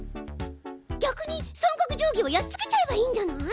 逆に三角定規をやっつけちゃえばいいんじゃない？